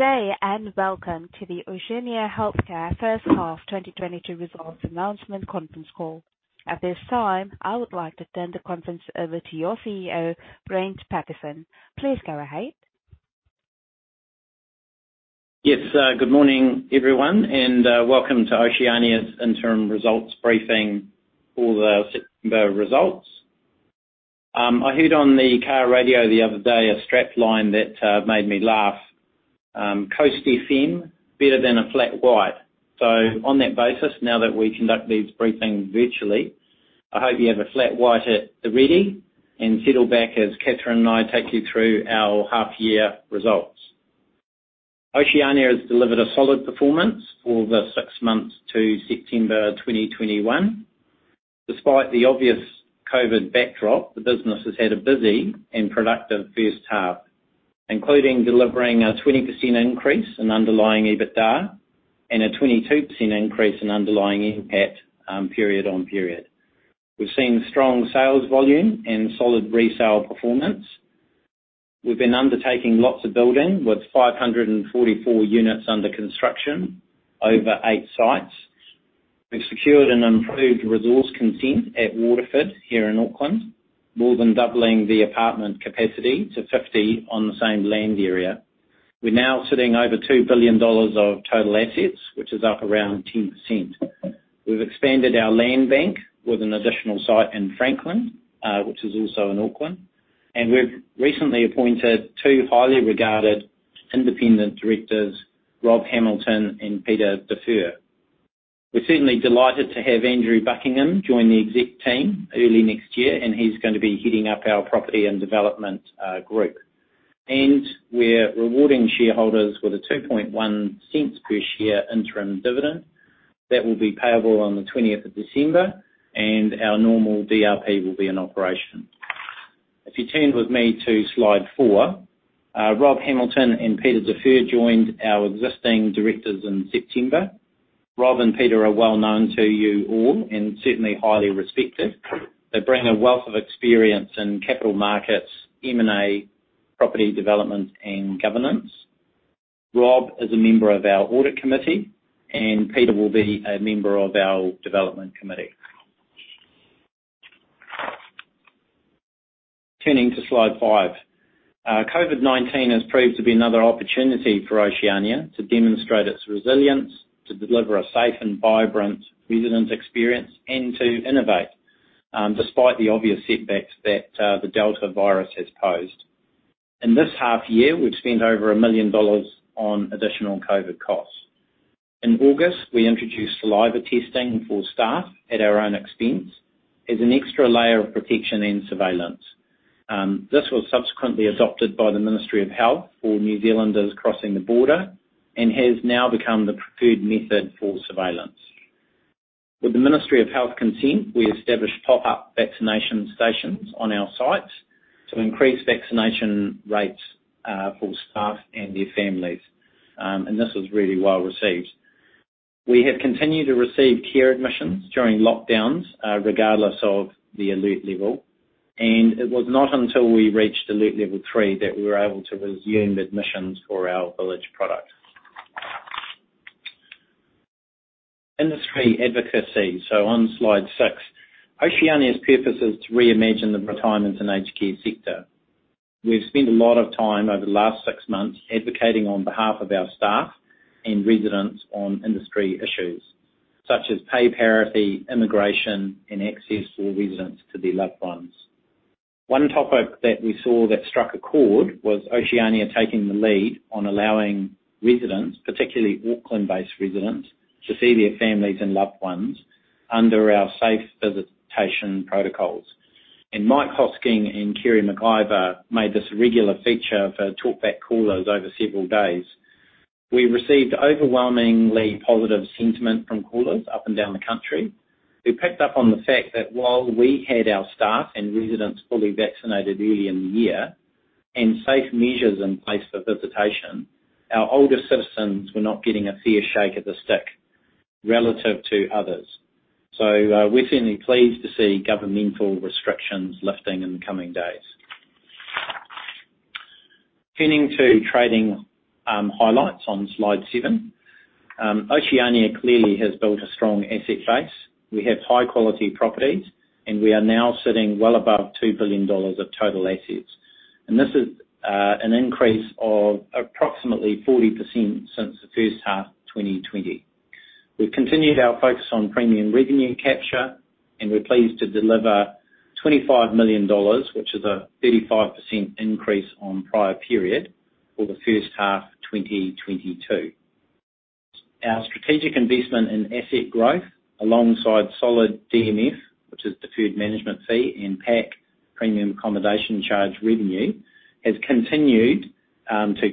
Good day, and welcome to the Oceania Healthcare first half 2022 results announcement conference call. At this time, I would like to turn the conference over to your CEO, Brent Pattison. Please go ahead. Yes, good morning, everyone, and welcome to Oceania's interim results briefing for the September results. I heard on the car radio the other day a strap line that made me laugh, "Coast FM, better than a flat white." On that basis, now that we conduct these briefings virtually, I hope you have a flat white at the ready, and settle back as Kathryn and I take you through our half year results. Oceania has delivered a solid performance for the six months to September 2021. Despite the obvious COVID backdrop, the business has had a busy and productive first half, including delivering a 20% increase in underlying EBITDA and a 22% increase in underlying NPAT, period-on-period. We've seen strong sales volume and solid resale performance. We've been undertaking lots of building, with 544 units under construction over eight sites. We've secured an improved resource consent at Waterford here in Auckland, more than doubling the apartment capacity to 50 on the same land area. We're now sitting over 2 billion dollars of total assets, which is up around 10%. We've expanded our land bank with an additional site in Franklin, which is also in Auckland, and we've recently appointed two highly regarded independent directors, Rob Hamilton and Peter de Veur. We're certainly delighted to have Andrew Buckingham join the exec team early next year, and he's gonna be heading up our property and development, group. We're rewarding shareholders with a 0.021 per share interim dividend that will be payable on the twentieth of December, and our normal DRP will be in operation. If you turn with me to slide 4, Rob Hamilton and Peter de Veur joined our existing directors in September. Rob and Peter are well-known to you all and certainly highly respected. They bring a wealth of experience in capital markets, M&A, property development, and governance. Rob is a member of our audit committee, and Peter will be a member of our development committee. Turning to slide 5. COVID-19 has proved to be another opportunity for Oceania to demonstrate its resilience, to deliver a safe and vibrant resident experience, and to innovate, despite the obvious setbacks that the delta virus has posed. In this half year, we've spent over 1 million dollars on additional COVID costs. In August, we introduced saliva testing for staff at our own expense as an extra layer of protection and surveillance. This was subsequently adopted by the Ministry of Health for New Zealanders crossing the border and has now become the preferred method for surveillance. With the Ministry of Health consent, we established pop-up vaccination stations on our sites to increase vaccination rates for staff and their families. This was really well-received. We have continued to receive care admissions during lockdowns, regardless of the alert level, and it was not until we reached alert level three that we were able to resume admissions for our village product. Industry advocacy, on slide six. Oceania's purpose is to reimagine the retirement and aged care sector. We've spent a lot of time over the last six months advocating on behalf of our staff and residents on industry issues such as pay parity, immigration, and access for residents to their loved ones. One topic that we saw that struck a chord was Oceania taking the lead on allowing residents, particularly Auckland-based residents, to see their families and loved ones under our safe visitation protocols. Mike Hosking and Kerre McIvor made this a regular feature for talk back callers over several days. We received overwhelmingly positive sentiment from callers up and down the country, who picked up on the fact that while we had our staff and residents fully vaccinated early in the year and safe measures in place for visitation, our older citizens were not getting a fair shake of the stick relative to others. We're certainly pleased to see governmental restrictions lifting in the coming days. Turning to trading, highlights on slide seven. Oceania clearly has built a strong asset base. We have high quality properties, and we are now sitting well above 2 billion dollars of total assets. This is an increase of approximately 40% since the first half 2020. We've continued our focus on premium revenue capture, and we're pleased to deliver 25 million dollars, which is a 35% increase on prior period for the first half 2022. Our strategic investment in asset growth alongside solid DMF, which is deferred management fee, and PAC, premium accommodation charge revenue, has continued to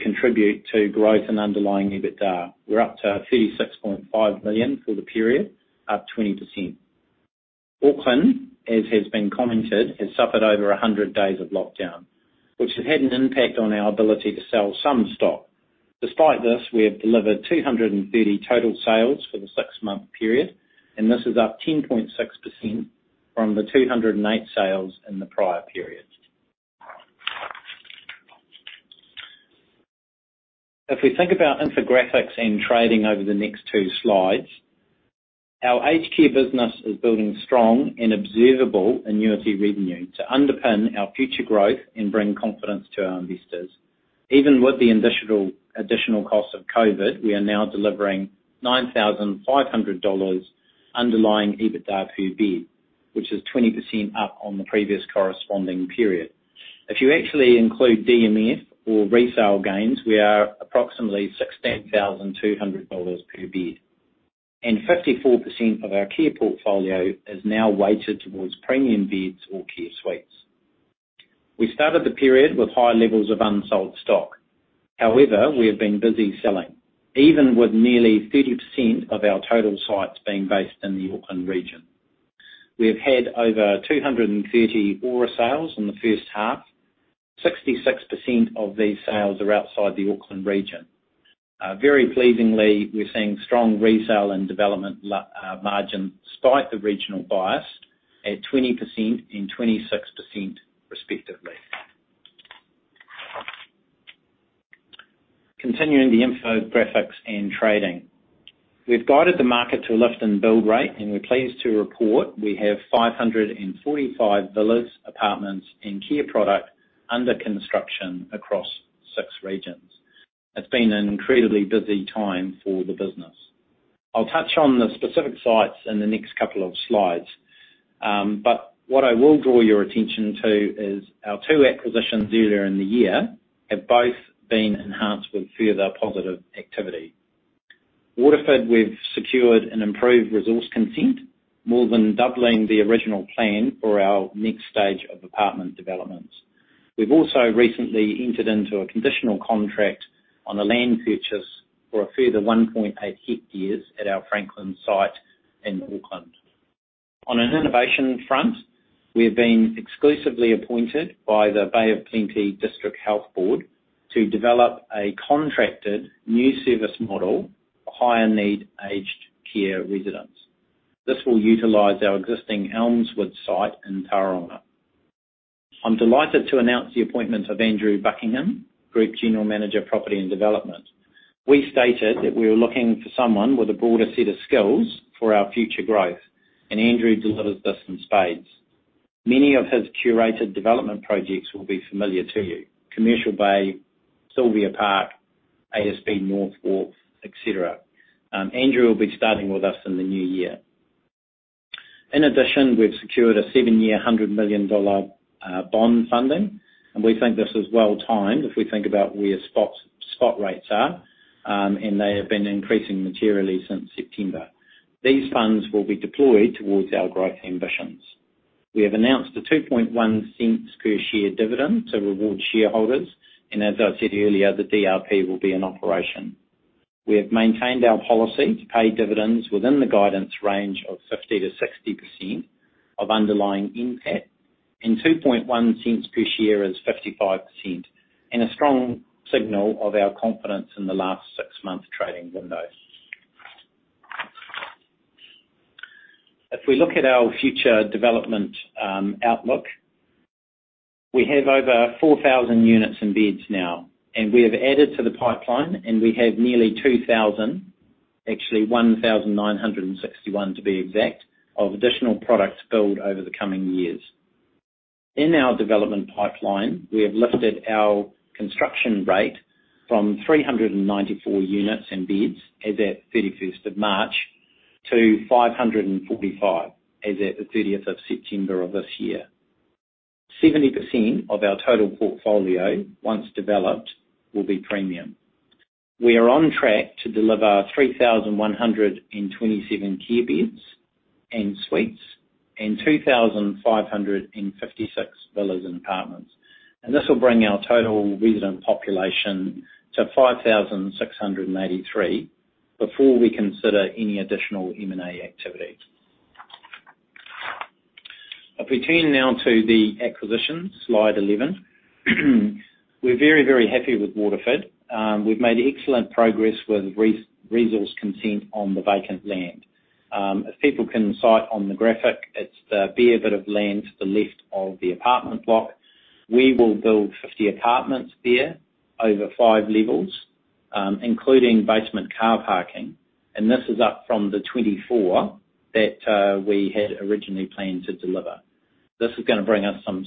contribute to growth and underlying EBITDA. We're up to 36.5 million for the period, up 20%. Auckland, as has been commented, has suffered over 100 days of lockdown, which has had an impact on our ability to sell some stock. Despite this, we have delivered 230 total sales for the six-month period, and this is up 10.6% from the 208 sales in the prior period. If we think about infographics and trading over the next two slides, our aged care business is building strong and observable annuity revenue to underpin our future growth and bring confidence to our investors. Even with the additional cost of COVID, we are now delivering 9,500 dollars underlying EBITDA per bed, which is 20% up on the previous corresponding period. If you actually include DMF or resale gains, we are approximately 16,200 dollars per bed, and 54% of our care portfolio is now weighted towards premium beds or Care Suites. We started the period with high levels of unsold stock. However, we have been busy selling, even with nearly 30% of our total sites being based in the Auckland region. We have had over 230 ORA sales in the first half. 66% of these sales are outside the Auckland region. Very pleasingly, we're seeing strong resale and development margin despite the regional bias at 20% and 26% respectively. Continuing the infill and trading. We've guided the market to a lift in build rate, and we're pleased to report we have 545 villas, apartments, and care product under construction across six regions. It's been an incredibly busy time for the business. I'll touch on the specific sites in the next couple of slides. But what I will draw your attention to is our two acquisitions earlier in the year have both been enhanced with further positive activity. Waterford, we've secured an improved resource consent, more than doubling the original plan for our next stage of apartment development. We've also recently entered into a conditional contract on a land purchase for a further 1.8 hectares at our Franklin site in Auckland. On an innovation front, we have been exclusively appointed by the Bay of Plenty District Health Board to develop a contracted new service model for higher need aged care residents. This will utilize our existing Elmswood site in Tauranga. I'm delighted to announce the appointment of Andrew Buckingham, Group General Manager, Property and Development. We stated that we were looking for someone with a broader set of skills for our future growth, and Andrew delivers this in spades. Many of his curated development projects will be familiar to you, Commercial Bay, Sylvia Park, ASB North Wharf, et cetera. Andrew will be starting with us in the new year. In addition, we've secured a 7-year, 100 million dollar bond funding, and we think this is well timed if we think about where spot rates are, and they have been increasing materially since September. These funds will be deployed towards our growth ambitions. We have announced a 0.021 per share dividend to reward shareholders, and as I said earlier, the DRP will be in operation. We have maintained our policy to pay dividends within the guidance range of 50%-60% of underlying NPAT, and 0.021 per share is 55% and a strong signal of our confidence in the last six-month trading window. If we look at our future development outlook, we have over 4,000 units and beds now, and we have added to the pipeline, and we have nearly 2,000, actually 1,961 to be exact, of additional product builds over the coming years. In our development pipeline, we have lifted our construction rate from 394 units and beds as at 31st March to 545 as at 30th September of this year. 70% of our total portfolio, once developed, will be premium. We are on track to deliver 3,127 care beds and suites and 2,556 villas and apartments. This will bring our total resident population to 5,683 before we consider any additional M&A activity. If we turn now to the acquisitions, slide 11. We're very, very happy with Waterford. We've made excellent progress with resource consent on the vacant land. If people can see on the graphic, it's the bare bit of land to the left of the apartment block. We will build 50 apartments there over 5 levels, including basement car parking, and this is up from the 24 that we had originally planned to deliver. This is gonna bring us some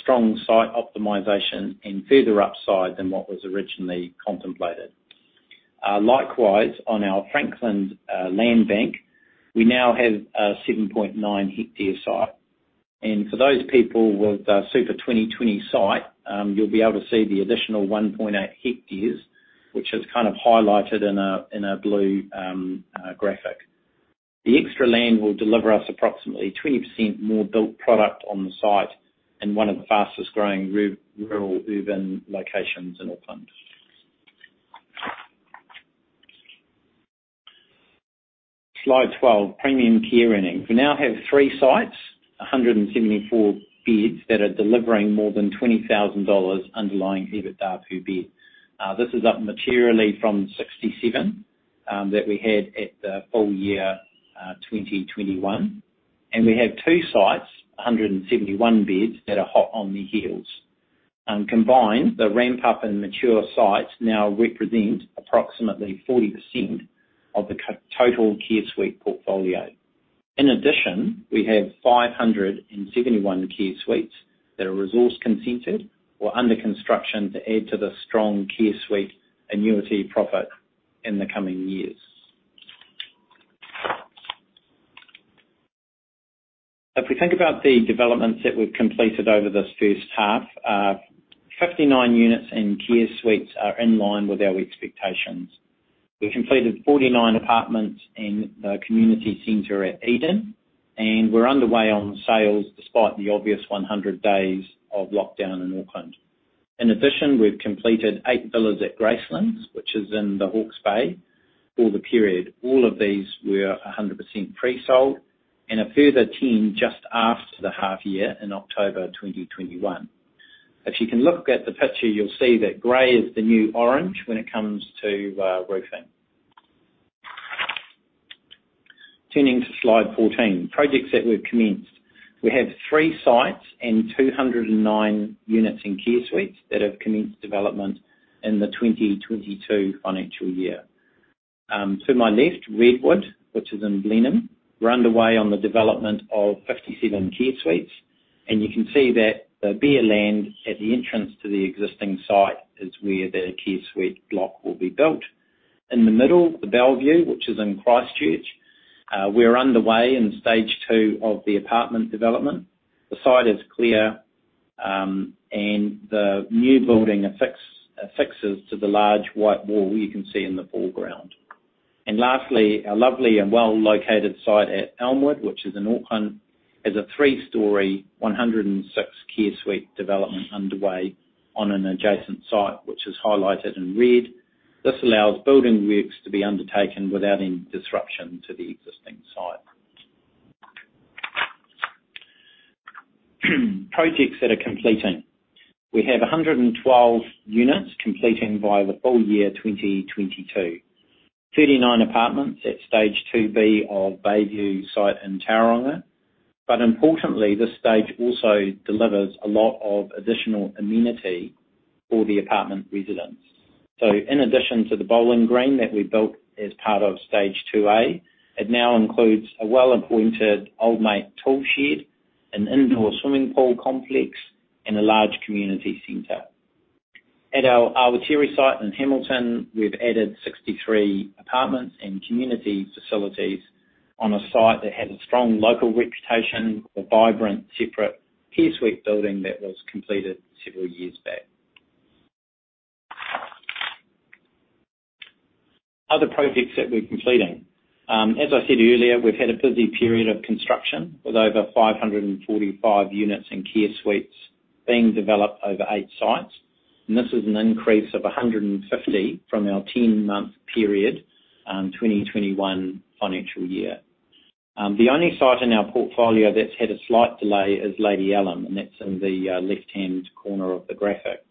strong site optimization and further upside than what was originally contemplated. Likewise, on our Franklin land bank, we now have a 7.9 hectare site. For those people with the Supp 2020 site, you'll be able to see the additional 1.8 hectares, which is kind of highlighted in a blue graphic. The extra land will deliver us approximately 20% more built product on the site in one of the fastest-growing rural urban locations in Auckland. Slide 12, premium care earnings. We now have 3 sites, 174 beds that are delivering more than 20,000 dollars underlying EBITDA per bed. This is up materially from 67 that we had at the full year 2021, and we have 2 sites, 171 beds that are hot on the heels. Combined, the ramp-up and mature sites now represent approximately 40% of the total Care Suite portfolio. In addition, we have 571 Care Suites that are resource consented or under construction to add to the strong Care Suite annuity profit in the coming years. If we think about the developments that we've completed over this first half, 59 units and care suites are in line with our expectations. We completed 49 apartments in the community center at Eden, and we're underway on sales despite the obvious 100 days of lockdown in Auckland. In addition, we've completed 8 villas at Gracelands, which is in the Hawke's Bay, for the period. All of these were 100% pre-sold and a further 10 just after the half year in October 2021. If you can look at the picture, you'll see that gray is the new orange when it comes to, roofing. Turning to slide 14, projects that we've commenced. We have three sites and 209 units and care suites that have commenced development in the 2022 financial year. To my left, Redwood, which is in Blenheim, we're underway on the development of 57 Care Suites, and you can see that the bare land at the entrance to the existing site is where the Care Suite block will be built. In the middle, the Bellevue, which is in Christchurch, we're underway in stage two of the apartment development. The site is clear, and the new building affixes to the large white wall you can see in the foreground. Lastly, our lovely and well-located site at Elmswood, which is in Auckland, is a three-story, 106 Care Suite development underway on an adjacent site, which is highlighted in red. This allows building works to be undertaken without any disruption to the existing site. Projects that are completing. We have 112 units completing via the full year 2022. 39 apartments at Stage Two B of Bayview site in Tauranga. Importantly, this stage also delivers a lot of additional amenity for the apartment residents. In addition to the bowling green that we built as part of Stage Two A, it now includes a well-appointed old mate tool shed, an indoor swimming pool complex, and a large community center. At our Awatere site in Hamilton, we've added 63 apartments and community facilities on a site that has a strong local reputation for vibrant, separate care suite building that was completed several years back. Other projects that we're completing, as I said earlier, we've had a busy period of construction with over 545 units and care suites being developed over eight sites, and this is an increase of 150 from our ten-month period, 2021 financial year. The only site in our portfolio that's had a slight delay is Lady Ellen, and that's in the left-hand corner of the graphic.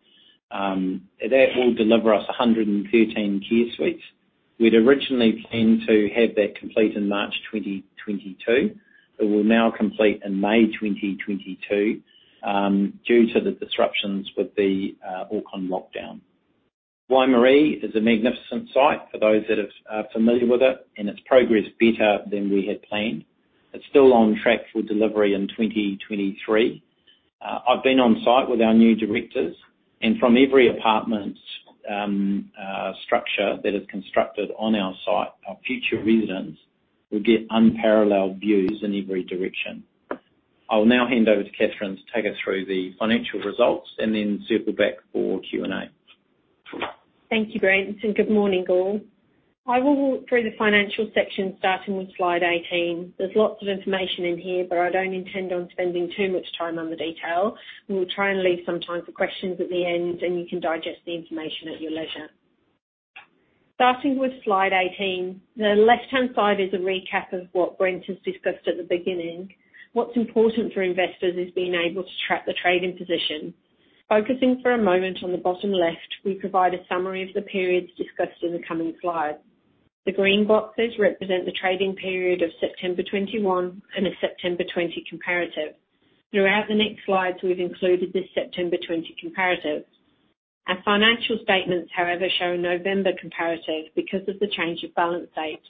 That will deliver us 113 Care Suites. We'd originally planned to have that complete in March 2022. It will now complete in May 2022 due to the disruptions with the Auckland lockdown. Waimarie is a magnificent site for those that are familiar with it, and it's progressed better than we had planned. It's still on track for delivery in 2023. I've been on-site with our new directors, and from every apartment's structure that is constructed on our site, our future residents will get unparalleled views in every direction. I'll now hand over Kathryn to take us through the financial results and then circle back for Q&A. Thank you, Brent, and good morning, all. I will walk through the financial section starting with slide 18. There's lots of information in here, but I don't intend on spending too much time on the detail. We'll try and leave some time for questions at the end, and you can digest the information at your leisure. Starting with slide 18, the left-hand side is a recap of what Brent has discussed at the beginning. What's important for investors is being able to track the trading position. Focusing for a moment on the bottom left, we provide a summary of the periods discussed in the coming slides. The green boxes represent the trading period of September 2021 and a September 2020 comparative. Throughout the next slides, we've included this September 2020 comparative. Our financial statements, however, show November comparatives because of the change of balance date.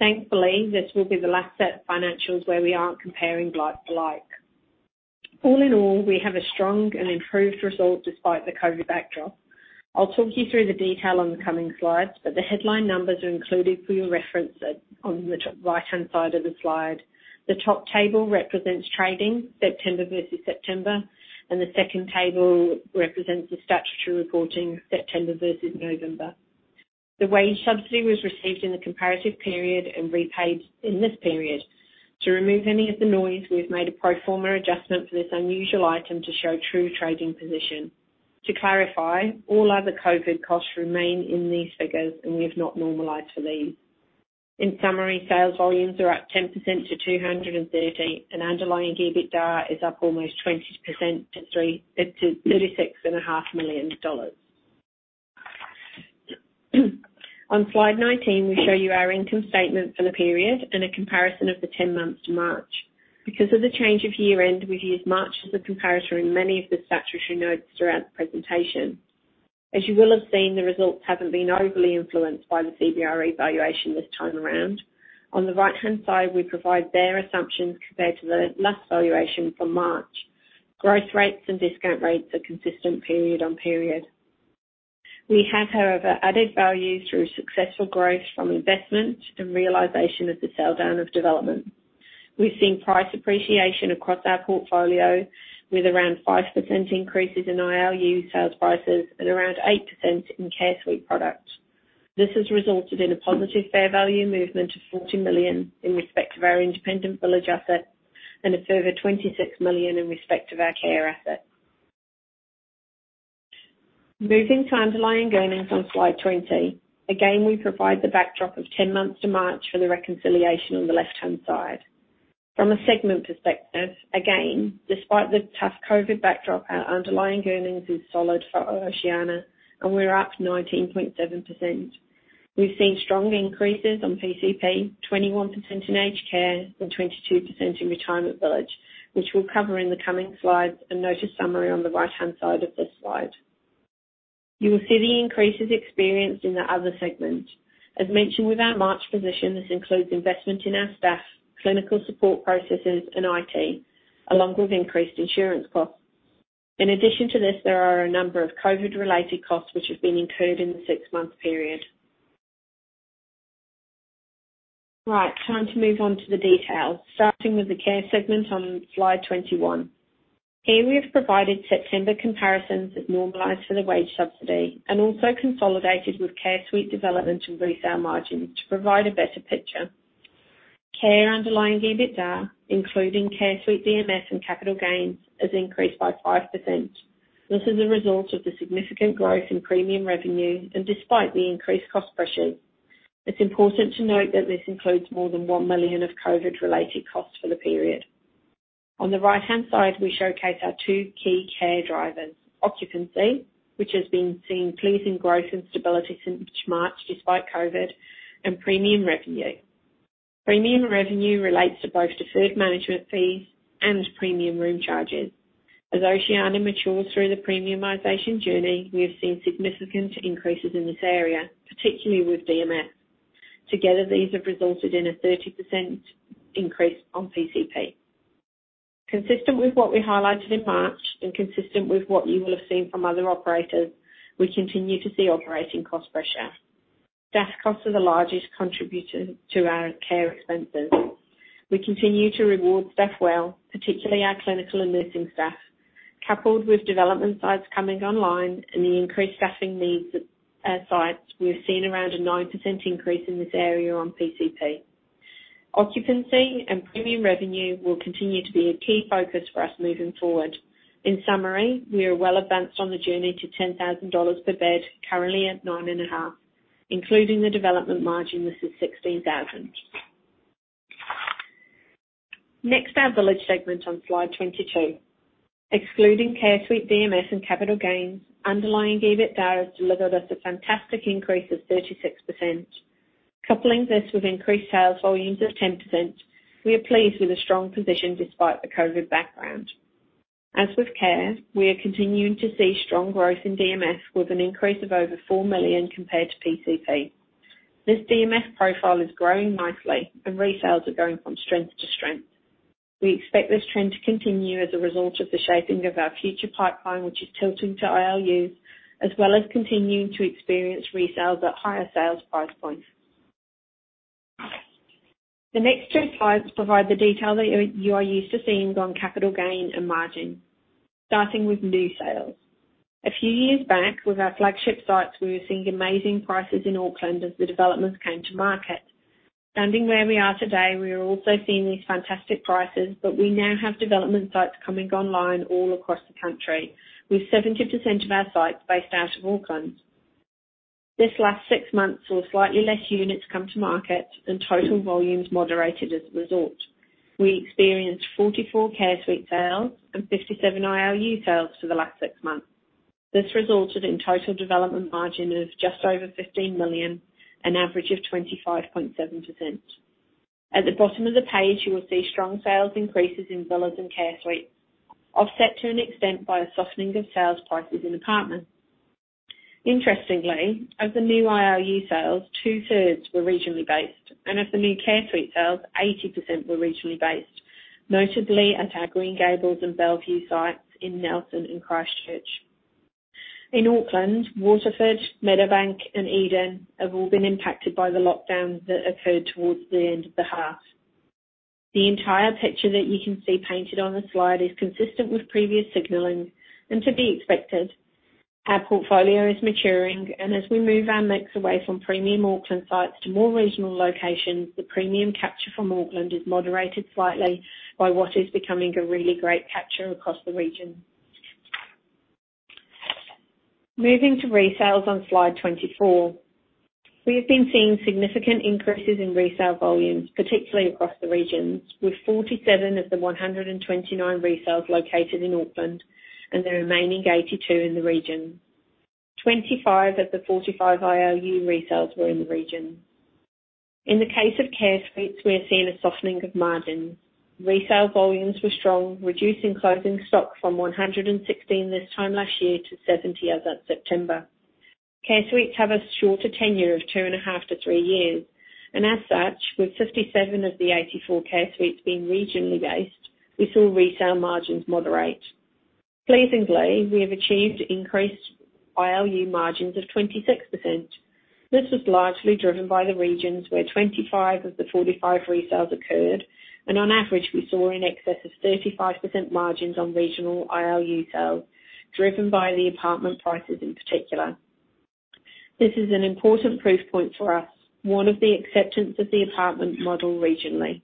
Thankfully, this will be the last set of financials where we aren't comparing like-for-like. All in all, we have a strong and improved result despite the COVID backdrop. I'll talk you through the detail on the coming slides, but the headline numbers are included for your reference at, on the top-right-hand side of the slide. The top table represents trading September versus September, and the second table represents the statutory reporting September versus November. The wage subsidy was received in the comparative period and repaid in this period. To remove any of the noise, we've made a pro forma adjustment for this unusual item to show true trading position. To clarify, all other COVID-19 costs remain in these figures, and we have not normalized for these. In summary, sales volumes are up 10% to 230, and underlying EBITDA is up almost 20% to 36.5 million dollars. On slide 19, we show you our income statement for the period and a comparison of the 10 months to March. Because of the change of year-end, we've used March as a comparator in many of the statutory notes throughout the presentation. As you will have seen, the results haven't been overly influenced by the CBRE valuation this time around. On the right-hand side, we provide their assumptions compared to the last valuation from March. Growth rates and discount rates are consistent period on period. We have, however, added value through successful growth from investment and realization of the sell-down of development. We've seen price appreciation across our portfolio with around 5% increases in ILU sales prices and around 8% in Care Suites products. This has resulted in a positive fair value movement of 40 million in respect of our independent village asset and a further 26 million in respect of our care asset. Moving to underlying earnings on slide 20. Again, we provide the backdrop of 10 months to March for the reconciliation on the left-hand side. From a segment perspective, again, despite the tough COVID-19 backdrop, our underlying earnings is solid for Oceania, and we're up 19.7%. We've seen strong increases on PCP, 21% in aged care and 22% in retirement village, which we'll cover in the coming slides, and notice summary on the right-hand side of this slide. You will see the increases experienced in the other segment. As mentioned with our March position, this includes investment in our staff, clinical support processes, and IT, along with increased insurance costs. In addition to this, there are a number of COVID-related costs which have been incurred in the six-month period. Right. Time to move on to the details, starting with the care segment on slide 21. Here, we have provided September comparisons that normalized for the wage subsidy and also consolidated with Care Suite development and resale margin to provide a better picture. Care underlying EBITDA, including Care Suite DMS and capital gains, has increased by 5%. This is a result of the significant growth in premium revenue and despite the increased cost pressures. It's important to note that this includes more than 1 million of COVID-related costs for the period. On the right-hand side, we showcase our two key care drivers. Occupancy, which has been seeing pleasing growth and stability since March despite COVID, and premium revenue. Premium revenue relates to both deferred management fees and premium room charges. As Oceania matures through the premiumization journey, we have seen significant increases in this area, particularly with DMS. Together, these have resulted in a 30% increase on PCP. Consistent with what we highlighted in March and consistent with what you will have seen from other operators, we continue to see operating cost pressure. Staff costs are the largest contributor to our care expenses. We continue to reward staff well, particularly our clinical and nursing staff. Coupled with development sites coming online and the increased staffing needs at sites, we've seen around a 9% increase in this area on PCP. Occupancy and premium revenue will continue to be a key focus for us moving forward. In summary, we are well advanced on the journey to 10,000 dollars per bed, currently at 9.5. Including the development margin, this is 16,000. Next, our village segment on slide 22. Excluding Care Suites DMS and capital gains, underlying EBITDA has delivered us a fantastic increase of 36%. Coupling this with increased sales volumes of 10%, we are pleased with a strong position despite the COVID background. As with care, we are continuing to see strong growth in DMS with an increase of over 4 million compared to PCP. This DMS profile is growing nicely, and resales are going from strength to strength. We expect this trend to continue as a result of the shaping of our future pipeline, which is tilting to ILUs, as well as continuing to experience resales at higher sales price points. The next two slides provide the detail that you are used to seeing on capital gain and margin, starting with new sales. A few years back, with our flagship sites, we were seeing amazing prices in Auckland as the developments came to market. Standing where we are today, we are also seeing these fantastic prices, but we now have development sites coming online all across the country, with 70% of our sites based out of Auckland. This last six months saw slightly less units come to market, and total volumes moderated as a result. We experienced 44 Care Suites sales and 57 ILU sales for the last six months. This resulted in total development margin of just over 15 million, an average of 25.7%. At the bottom of the page, you will see strong sales increases in villas and Care Suites, offset to an extent by a softening of sales prices in apartments. Interestingly, of the new ILU sales, 2/3 were regionally based, and of the new Care Suites sales, 80% were regionally based, notably at our Green Gables and Bellevue sites in Nelson and Christchurch. In Auckland, Waterford, Meadowbank, and Eden have all been impacted by the lockdowns that occurred towards the end of the half. The entire picture that you can see painted on the slide is consistent with previous signaling and to be expected. Our portfolio is maturing, and as we move our mix away from premium Auckland sites to more regional locations, the premium capture from Auckland is moderated slightly by what is becoming a really great capture across the region. Moving to resales on slide 24. We have been seeing significant increases in resale volumes, particularly across the regions, with 47 of the 129 resales located in Auckland and the remaining 82 in the region. 25 of the 45 ILU resales were in the region. In the case of Care Suites, we are seeing a softening of margin. Resale volumes were strong, reducing closing stock from 116 this time last year to 70 as of September. Care Suites have a shorter tenure of 2.5-3 years, and as such, with 57 of the 84 Care Suites being regionally based, we saw resale margins moderate. Pleasingly, we have achieved increased ILU margins of 26%. This was largely driven by the regions where 25 of the 45 resales occurred, and on average, we saw in excess of 35% margins on regional ILU sales, driven by the apartment prices in particular. This is an important proof point for us, one of the acceptance of the apartment model regionally.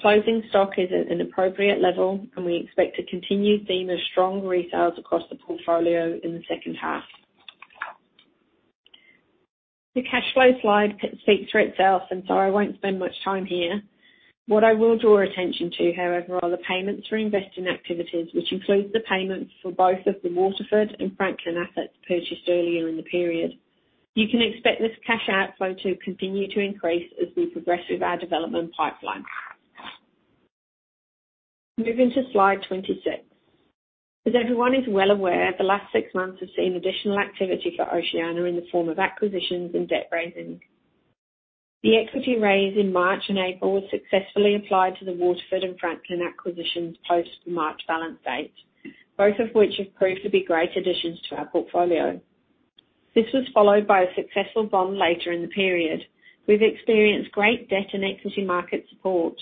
Closing stock is at an appropriate level and we expect to continue seeing a strong resales across the portfolio in the second half. The cash flow slide speaks for itself, and so I won't spend much time here. What I will draw attention to, however, are the payments for investing activities, which includes the payments for both of the Waterford and Franklin assets purchased earlier in the period. You can expect this cash outflow to continue to increase as we progress with our development pipeline. Moving to slide 26. As everyone is well aware, the last six months have seen additional activity for Oceania in the form of acquisitions and debt raising. The equity raise in March and April was successfully applied to the Waterford and Franklin acquisitions post-March balance date, both of which have proved to be great additions to our portfolio. This was followed by a successful bond later in the period. We've experienced great debt and equity market support,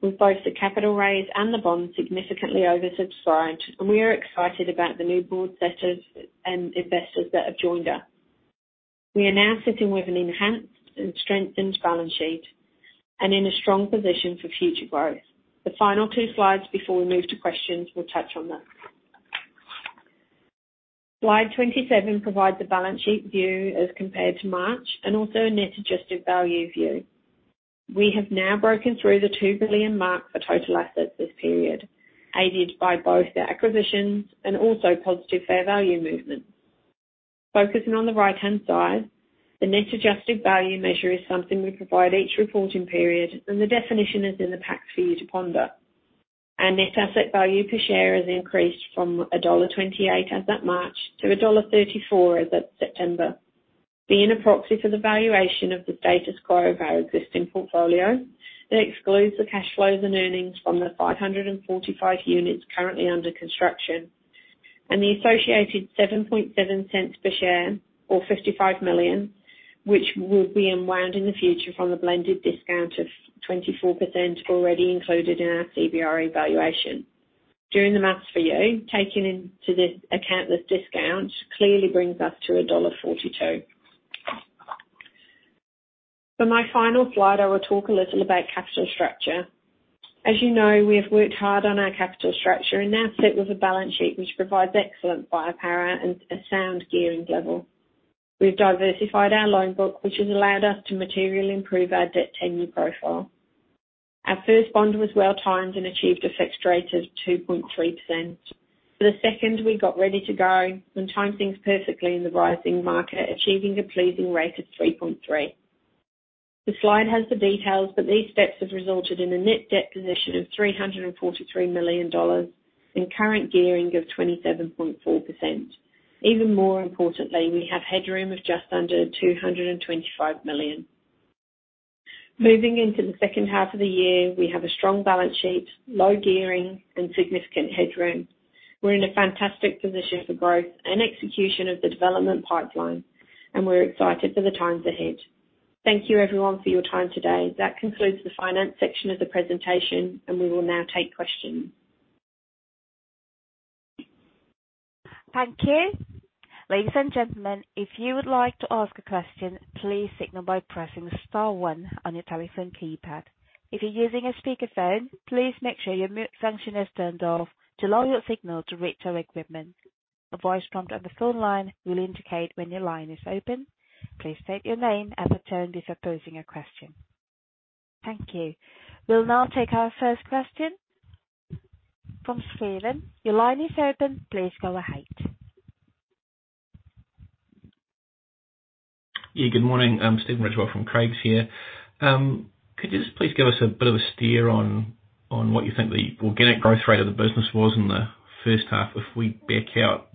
with both the capital raise and the bond significantly oversubscribed, and we are excited about the new bondholders and investors that have joined us. We are now sitting with an enhanced and strengthened balance sheet and in a strong position for future growth. The final two slides before we move to questions will touch on that. Slide 27 provides a balance sheet view as compared to March and also a net adjusted value view. We have now broken through the 2 billion mark for total assets this period, aided by both the acquisitions and also positive fair value movements. Focusing on the right-hand side, the net adjusted value measure is something we provide each reporting period, and the definition is in the pack for you to ponder. Our net asset value per share has increased from dollar 1.28 as at March to dollar 1.34 as at September. Being a proxy for the valuation of the status quo of our existing portfolio, it excludes the cash flows and earnings from the 545 units currently under construction and the associated 7.7 cents per share or 55 million, which will be unwound in the future from a blended discount of 24% already included in our CBRE valuation. Doing the math for you, taking into account this discount clearly brings us to NZD 1.42. For my final slide, I will talk a little about capital structure. As you know, we have worked hard on our capital structure and now sit with a balance sheet which provides excellent buying power and a sound gearing level. We've diversified our loan book, which has allowed us to materially improve our debt tenure profile. Our first bond was well-timed and achieved a fixed rate of 2.3%. For the second, we got ready to go and timed things perfectly in the rising market, achieving a pleasing rate of 3.3%. The slide has the details, but these steps have resulted in a net debt position of 343 million dollars and current gearing of 27.4%. Even more importantly, we have headroom of just under 225 million. Moving into the second half of the year, we have a strong balance sheet, low gearing, and significant headroom. We're in a fantastic position for growth and execution of the development pipeline, and we're excited for the times ahead. Thank you everyone for your time today. That concludes the finance section of the presentation, and we will now take questions. Thank you. Ladies and gentlemen, if you would like to ask a question, please signal by pressing star one on your telephone keypad. If you're using a speaker phone, please make sure your mute function is turned off to allow your signal to reach our equipment. A voice prompt on the phone line will indicate when your line is open. Please state your name as requested before posing your question. Thank you. We'll now take our first question from Stephen. Your line is open. Please go ahead. Yeah, good morning. Stephen Ridgewell from Craigs here. Could you just please give us a bit of a steer on what you think the organic growth rate of the business was in the first half if we back out,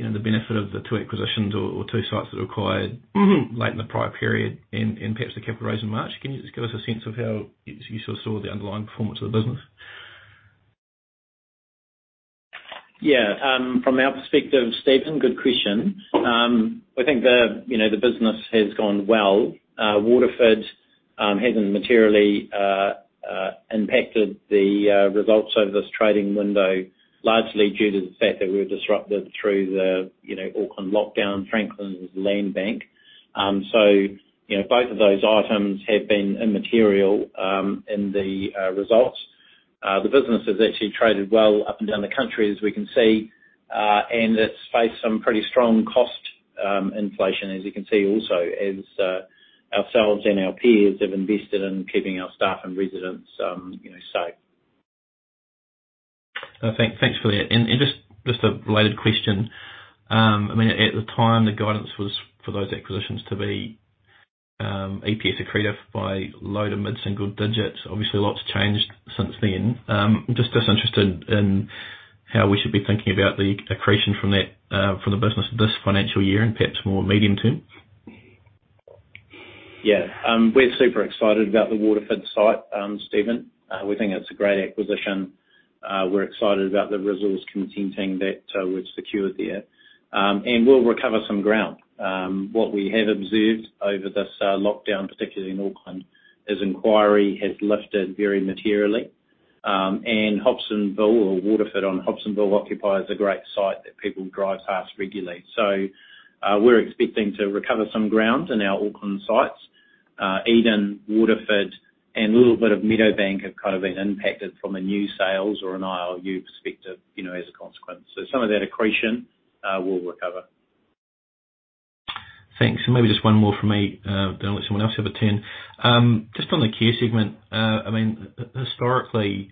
you know, the benefit of the two acquisitions or two sites that were acquired late in the prior period and perhaps the capital raise in March? Can you just give us a sense of how you sort of saw the underlying performance of the business? Yeah. From our perspective, Stephen, good question. I think the, you know, the business has gone well. Waterford hasn't materially impacted the results over this trading window. Largely due to the fact that we were disrupted through the, you know, Auckland lockdown. Franklin was a land bank. So you know, both of those items have been immaterial in the results. The business has actually traded well up and down the country, as we can see. And it's faced some pretty strong cost inflation, as you can see also, as ourselves and our peers have invested in keeping our staff and residents, you know, safe. Thanks for that. Just a related question. I mean, at the time, the guidance was for those acquisitions to be EPS accretive by low- to mid-single digits. Obviously, a lot's changed since then. I'm just interested in how we should be thinking about the accretion from that, from the business this financial year and perhaps more medium term. Yeah. We're super excited about the Waterford site, Stephen. We think it's a great acquisition. We're excited about the resource consenting that we've secured there. We'll recover some ground. What we have observed over this lockdown, particularly in Auckland, is inquiry has lifted very materially. Hobsonville or Waterford on Hobsonville occupies a great site that people drive past regularly. We're expecting to recover some ground in our Auckland sites. Eden, Waterford, and a little bit of Meadowbank have kind of been impacted from a new sales or an ILU perspective, you know, as a consequence. Some of that accretion we'll recover. Thanks. Maybe just one more from me, then I'll let someone else have a turn. Just on the care segment. I mean, historically,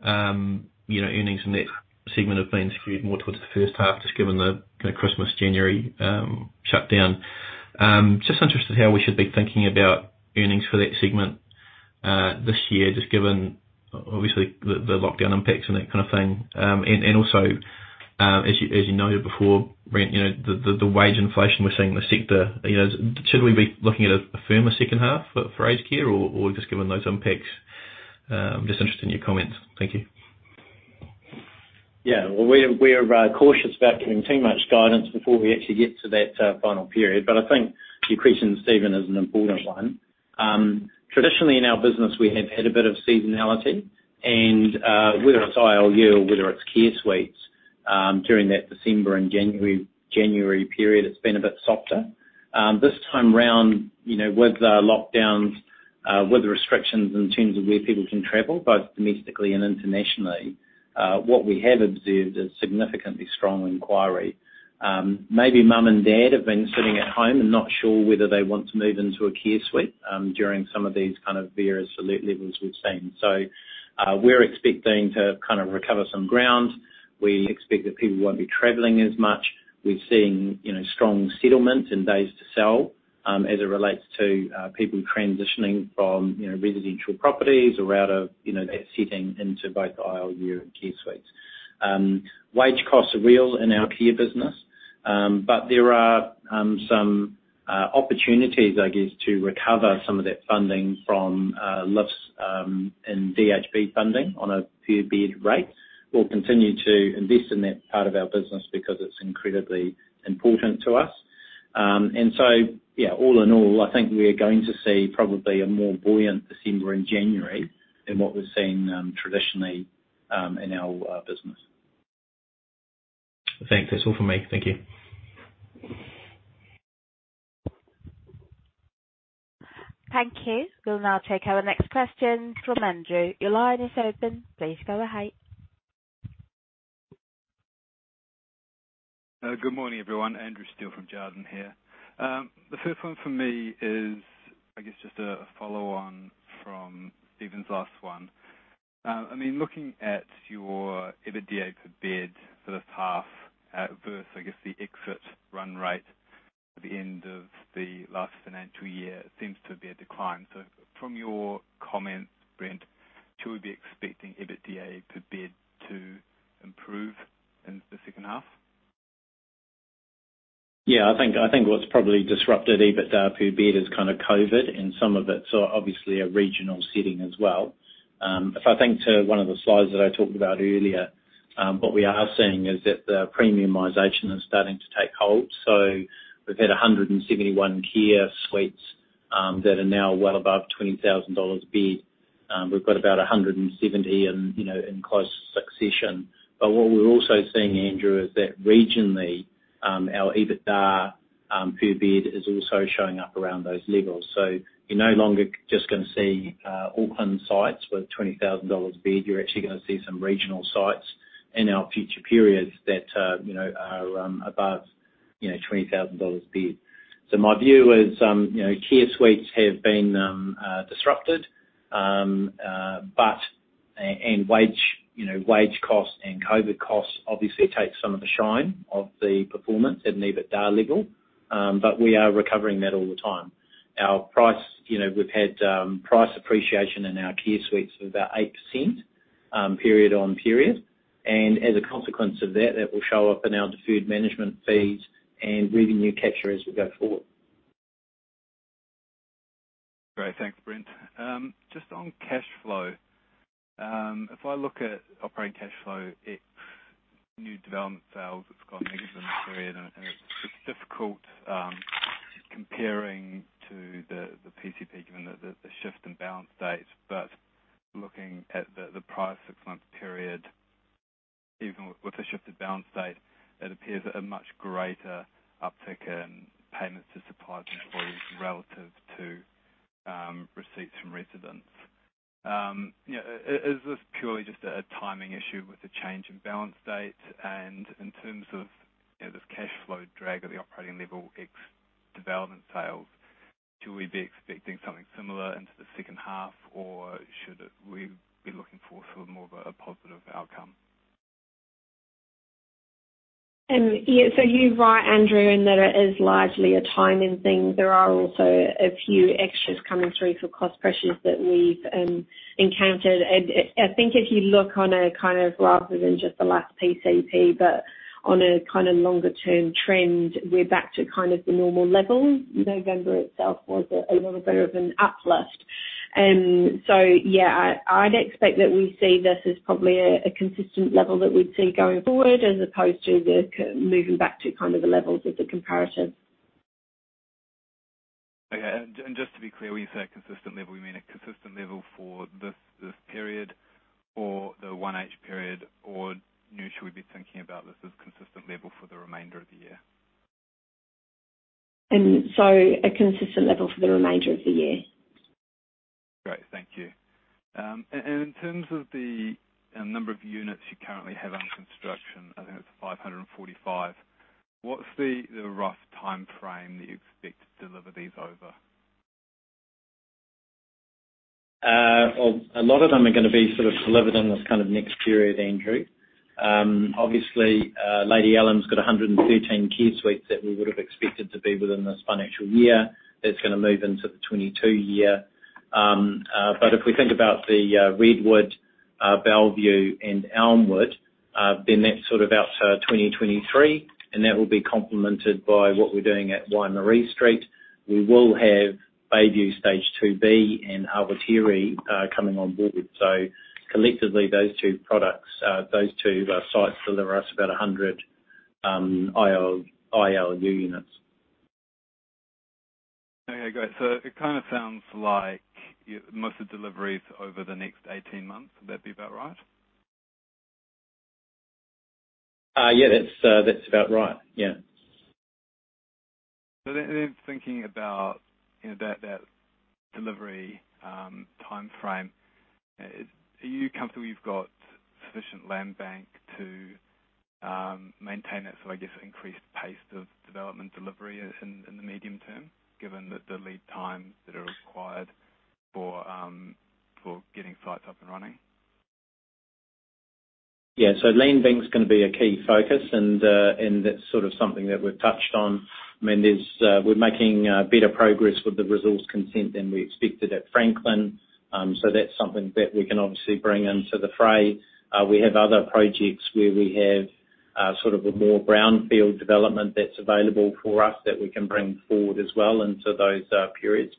you know, earnings from that segment have been skewed more towards the first half, just given the, you know, Christmas, January, shutdown. Just interested how we should be thinking about earnings for that segment, this year, just given obviously the lockdown impacts and that kind of thing. And also, as you noted before, Brent, you know, the wage inflation we're seeing in the sector, you know, should we be looking at a firmer second half for aged care or just given those impacts? Just interested in your comments. Thank you. Yeah. Well, we are cautious about giving too much guidance before we actually get to that final period. I think your question, Stephen, is an important one. Traditionally in our business, we have had a bit of seasonality and whether it's ILU or whether it's Care Suites, during that December and January period, it's been a bit softer. This time around, you know, with the lockdowns, with the restrictions in terms of where people can travel, both domestically and internationally, what we have observed is significantly strong inquiry. Maybe mom and dad have been sitting at home and not sure whether they want to move into a Care Suite, during some of these kind of various alert levels we've seen. We're expecting to kind of recover some ground. We expect that people won't be traveling as much. We're seeing, you know, strong settlement and days to sell, as it relates to, people transitioning from, you know, residential properties or out of, you know, that setting into both ILU and Care Suites. Wage costs are real in our care business, but there are some opportunities, I guess, to recover some of that funding from lifts in DHB funding on a per bed rate. We'll continue to invest in that part of our business because it's incredibly important to us. Yeah, all in all, I think we are going to see probably a more buoyant December and January than what we've seen traditionally in our business. Thanks. That's all from me. Thank you. Thank you. We'll now take our next question from Andrew. Your line is open. Please go ahead. Good morning, everyone. Andrew Steele from Jarden here. The first one from me is, I guess, just a follow-on from Stephen's last one. I mean, looking at your EBITDA per bed for this half, versus, I guess, the exit run rate at the end of the last financial year, it seems to be a decline. From your comments, Brent, should we be expecting EBITDA per bed to improve in the second half? I think what's probably disrupted EBITDA per bed is kind of COVID-19 and some of it's obviously a regional setting as well. If I think to one of the slides that I talked about earlier, what we are seeing is that the premiumization is starting to take hold. We've had 171 Care Suites that are now well above 20,000 dollars a bed. We've got about 170 in, you know, in close succession. But what we're also seeing, Andrew, is that regionally, our EBITDA per bed is also showing up around those levels. You're no longer just gonna see Auckland sites with 20,000 dollars a bed. You're actually gonna see some regional sites in our future periods that, you know, are above, you know, 20,000 dollars a bed. My view is, you know, Care Suites have been disrupted, but wage costs and COVID-19 costs obviously take some of the shine off the performance at an EBITDA level. We are recovering that all the time. Our price, you know, we've had price appreciation in our Care Suites of about 8%, period on period. As a consequence of that will show up in our deferred management fees and revenue capture as we go forward. Great. Thanks, Brent. Just on cash flow. If I look at operating cash flow ex new development sales, it's gone negative in this period. It's difficult comparing to the PCP, given the shift in balance dates. Looking at the prior six-month period, even with the shifted balance date, it appears a much greater uptick in payments to suppliers and employees relative to receipts from residents. Yeah, is this purely just a timing issue with the change in balance date? In terms of, you know, this cash flow drag at the operating level ex development sales, should we be expecting something similar into the second half, or should we be looking for sort of more of a positive outcome? Yeah. You're right, Andrew, in that it is largely a timing thing. There are also a few extras coming through for cost pressures that we've encountered. I think if you look on a kind of rather than just the last PCP, but on a kinda longer term trend, we're back to kind of the normal level. November itself was a little bit of an uplift. Yeah, I'd expect that we see this as probably a consistent level that we'd see going forward as opposed to moving back to kind of the levels of the comparators. Okay. Just to be clear, when you say a consistent level, you mean a consistent level for this period or the 1H period, or, you know, should we be thinking about this as consistent level for the remainder of the year? A consistent level for the remainder of the year. Great. Thank you. And in terms of the number of units you currently have under construction, I think it's 545, what's the rough timeframe that you expect to deliver these over? Well, a lot of them are gonna be sort of delivered in this kind of next period, Andrew. Obviously, Lady Ellen's got 113 Care Suites that we would've expected to be within this financial year. That's gonna move into the 2022 year. If we think about the Redwood, Bellevue and Elmswood, then that's sort of out to 2023, and that will be complemented by what we're doing at Waimarie Street. We will have Bayview stage two B and Harvertie coming on board. Collectively, those two sites deliver us about 100 ILU new units. Okay, great. It kinda sounds like most of the delivery is over the next 18 months. Would that be about right? Yeah, that's about right. Yeah. Thinking about that delivery timeframe, are you comfortable you've got sufficient land bank to maintain that sort of, I guess, increased pace of development delivery in the medium term, given the lead times that are required for getting sites up and running? Yeah. Land bank's gonna be a key focus and that's sort of something that we've touched on. I mean, we're making better progress with the resource consent than we expected at Franklin. So that's something that we can obviously bring into the fray. We have other projects where we have sort of a more brownfield development that's available for us that we can bring forward as well into those periods.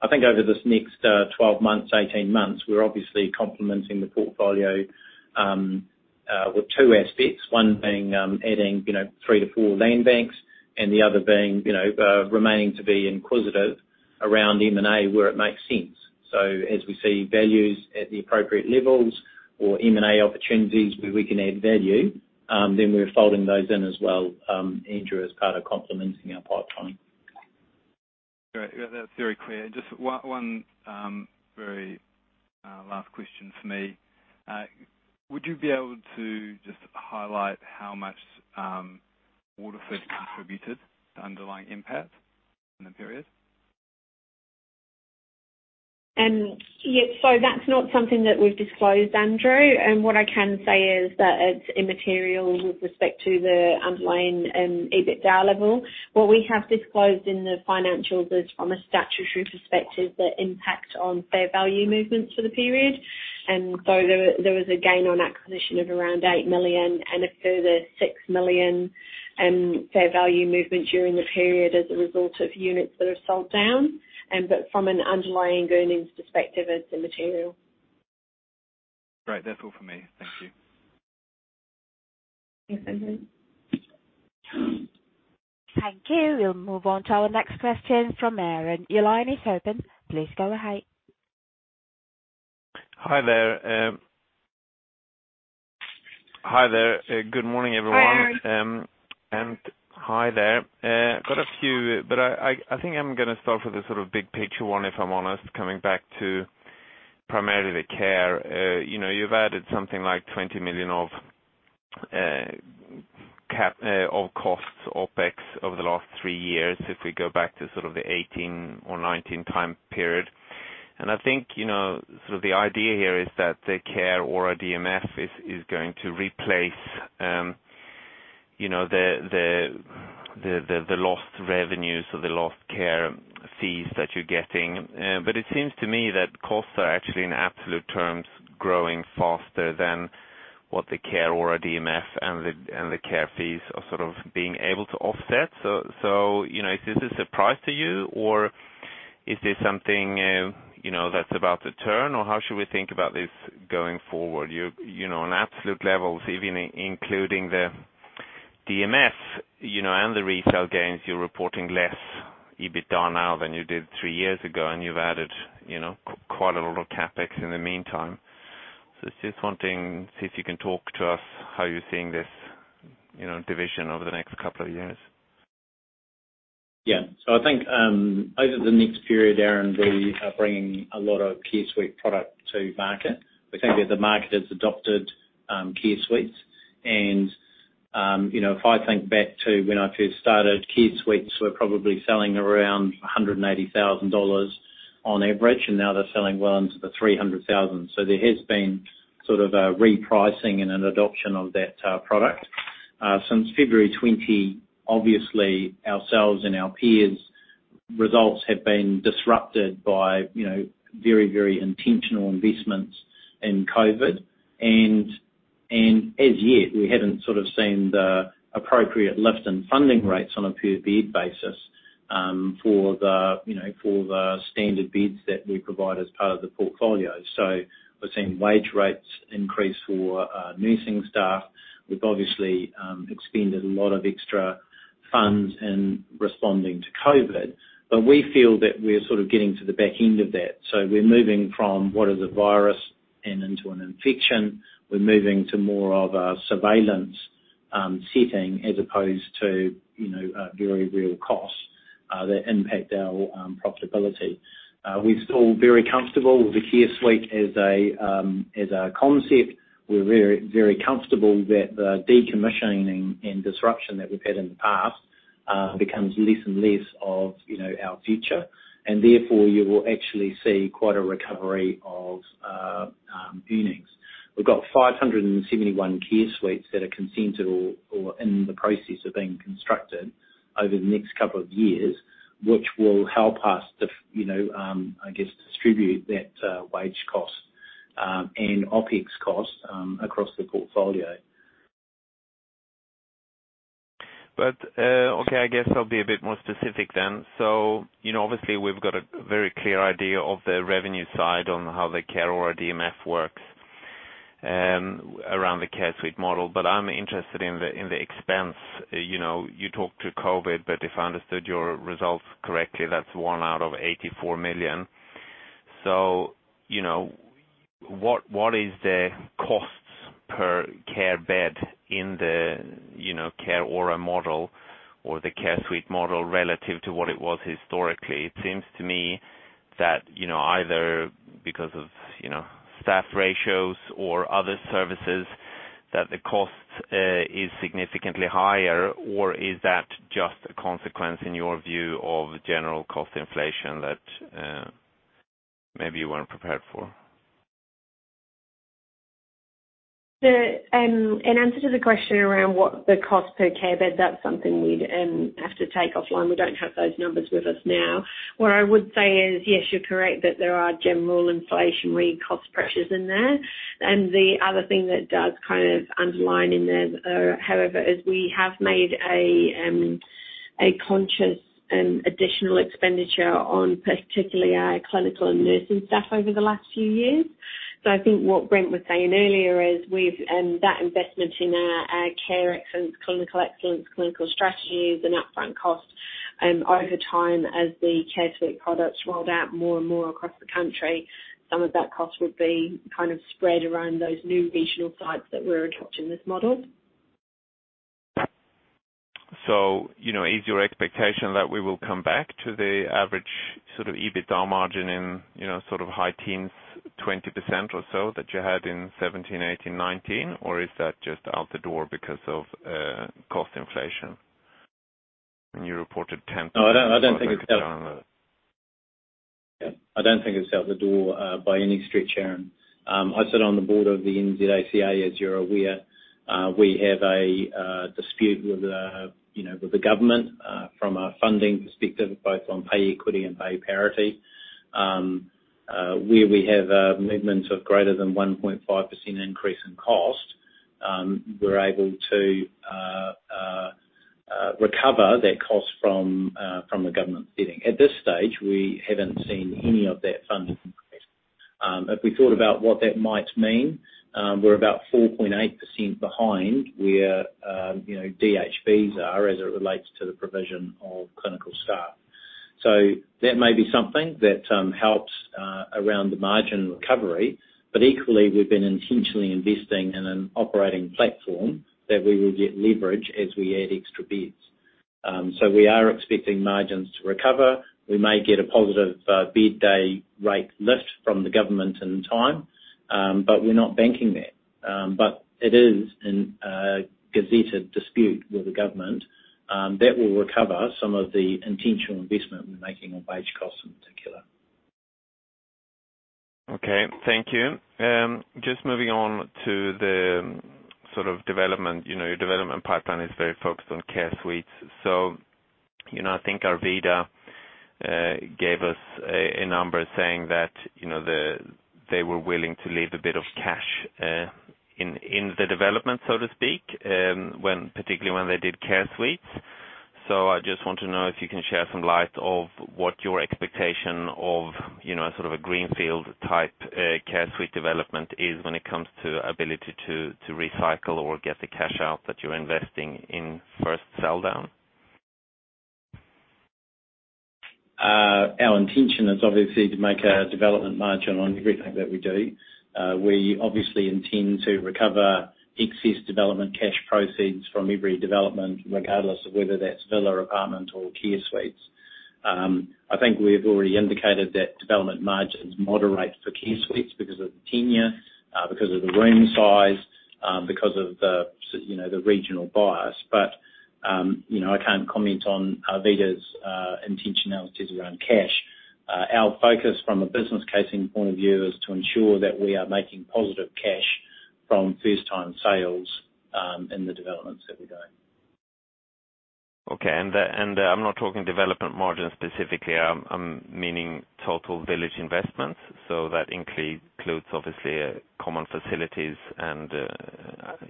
I think over this next 12 months, 18 months, we're obviously complementing the portfolio with two aspects, one being adding, you know, 3-4 land banks, and the other being, you know, remaining to be inquisitive around M&A where it makes sense. As we see values at the appropriate levels or M&A opportunities where we can add value, then we're folding those in as well, Andrew, as part of complementing our pipeline. Great. Yeah, that's very clear. Just one very last question for me. Would you be able to just highlight how much Waterford contributed to underlying NPAT in the period? That's not something that we've disclosed, Andrew. What I can say is that it's immaterial with respect to the underlying EBITDA level. What we have disclosed in the financials is from a statutory perspective, the impact on fair value movements for the period. There was a gain on acquisition of around 8 million and a further 6 million fair value movement during the period as a result of units that are sold down. From an underlying earnings perspective, it's immaterial. Great. That's all for me. Thank you. Yes. Thank you. Thank you. We'll move on to our next question from Aaron. Your line is open. Please go ahead. Hi there. Good morning, everyone. Hi, Aaron. Hi there. Got a few, but I think I'm gonna start with a sort of big picture one, if I'm honest, coming back to primarily the care. You know, you've added something like 20 million of costs, OpEx over the last three years if we go back to sort of the 2018 or 2019 time period. I think, you know, sort of the idea here is that the Care ORA DMF is going to replace, you know, the lost revenues or the lost care fees that you're getting. It seems to me that costs are actually in absolute terms growing faster than what the Care ORA DMF and the care fees are sort of being able to offset. You know, is this a surprise to you, or is this something, you know, that's about to turn? Or how should we think about this going forward? You know, on absolute levels, even including the DMF, you know, and the retail gains, you're reporting less EBITDA now than you did three years ago, and you've added, you know, quite a lot of CapEx in the meantime. Just wondering if you can talk to us how you're seeing this, you know, division over the next couple of years. Yeah. I think over the next period, Aaron, we are bringing a lot of Care Suites product to market. We think that the market has adopted Care Suites. You know, if I think back to when I first started, Care Suites were probably selling around 180,000 dollars on average, and now they're selling well into the 300,000. There has been sort of a repricing and an adoption of that product. Since February 2020, obviously, ourselves and our peers results have been disrupted by, you know, very, very intentional investments in COVID. As yet, we haven't sort of seen the appropriate lift in funding rates on a per bed basis for the standard beds that we provide as part of the portfolio. We're seeing wage rates increase for nursing staff. We've obviously expended a lot of extra funds in responding to COVID, but we feel that we're sort of getting to the back end of that. We're moving from what is a virus and into an infection. We're moving to more of a surveillance setting as opposed to, you know, very real costs that impact our profitability. We're still very comfortable with the Care Suite as a concept. We're very, very comfortable that the decommissioning and disruption that we've had in the past becomes less and less of our future, and therefore, you will actually see quite a recovery of earnings. We've got 571 Care Suites that are consented or in the process of being constructed over the next couple of years, which will help us to you know, I guess, distribute that wage cost and OpEx cost across the portfolio. Okay, I guess I'll be a bit more specific then. You know, obviously we've got a very clear idea of the revenue side on how the Care ORA DMF works around the Care Suites model, but I'm interested in the expense. You know, you talked about COVID, but if I understood your results correctly, that's 1 million out of 84 million. You know, what is the costs per care bed in the Care ORA model or the Care Suites model relative to what it was historically? It seems to me that, you know, either because of, you know, staff ratios or other services, that the cost is significantly higher. Is that just a consequence in your view of general cost inflation that maybe you weren't prepared for? In answer to the question around what the cost per care bed, that's something we'd have to take offline. We don't have those numbers with us now. What I would say is, yes, you're correct, that there are general inflationary cost pressures in there. The other thing that does kind of underline in there, however, is we have made a conscious and additional expenditure on particularly our clinical and nursing staff over the last few years. I think what Brent was saying earlier is we've that investment in our care excellence, clinical excellence, clinical strategies and upfront costs, over time as the Care Suites products rolled out more and more across the country, some of that cost would be kind of spread around those new regional sites that we're adopting this model. you know, is your expectation that we will come back to the average sort of EBITDA margin in, you know, sort of high teens, 20% or so that you had in 2017, 2018, 2019? Or is that just out the door because of cost inflation? You reported 10%- No, I don't think it's out. -EBITDA. Yeah. I don't think it's out the door by any stretch, Aaron. I sit on the board of the NZACA, as you're aware. We have a dispute with the government from a funding perspective, both on pay equity and pay parity. Where we have movements of greater than 1.5% increase in cost, we're able to recover that cost from the government setting. At this stage, we haven't seen any of that funding increase. If we thought about what that might mean, we're about 4.8% behind where you know DHB fees are as it relates to the provision of clinical staff. That may be something that helps around the margin recovery, but equally, we've been intentionally investing in an operating platform that we will get leverage as we add extra beds. We are expecting margins to recover. We may get a positive bed day rate lift from the government in time, but we're not banking that. It is in a gazetted dispute with the government that will recover some of the intentional investment we're making on wage costs in particular. Okay. Thank you. Just moving on to the sort of development. You know, your development pipeline is very focused on Care Suites. You know, I think Arvida gave us a number saying that, you know, they were willing to leave a bit of cash in the development, so to speak, when, particularly when they did Care Suites. I just want to know if you can shed some light on what your expectation of, you know, sort of a greenfield type Care Suite development is when it comes to ability to recycle or get the cash out that you're investing in first sell down. Our intention is obviously to make a development margin on everything that we do. We obviously intend to recover excess development cash proceeds from every development, regardless of whether that's villa, apartment or Care Suites. I think we've already indicated that development margins moderate for Care Suites because of the tenure, because of the room size, because of the you know, the regional bias. You know, I can't comment on Arvida's intentions around cash. Our focus from a business case point of view is to ensure that we are making positive cash from first time sales, in the developments that we're doing. Okay. I'm not talking development margin specifically. I'm meaning total village investments. That includes obviously common facilities and,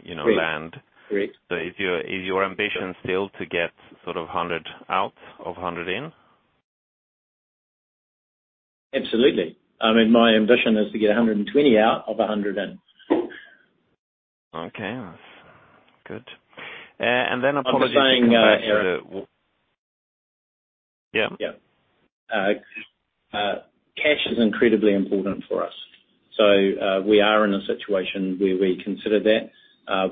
you know, land. Correct. Correct. Is your ambition still to get sort of 100 out of 100 in? Absolutely. I mean, my ambition is to get 120 out of 100 in. Okay. That's good. Apologies if we can go back to the- I'm just saying, Erik. Yeah. Yeah. Cash is incredibly important for us. We are in a situation where we consider that.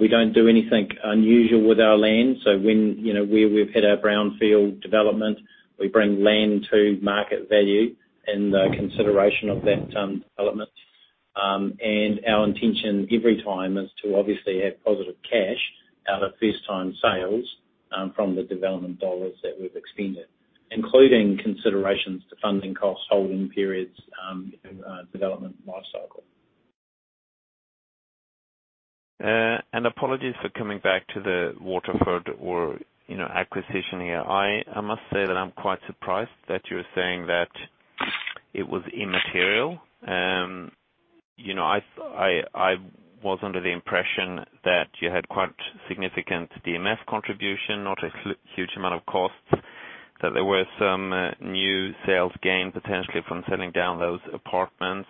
We don't do anything unusual with our land. You know, where we've had our brownfield development, we bring land to market value in the consideration of that development. Our intention every time is to obviously have positive cash out of first time sales from the development dollars that we've expended, including considerations to funding costs, holding periods in our development life cycle. Apologies for coming back to the Waterford or, you know, acquisition here. I must say that I'm quite surprised that you're saying that it was immaterial. You know, I was under the impression that you had quite significant DMF contribution, not a huge amount of costs, that there were some new sales gained potentially from selling down those apartments.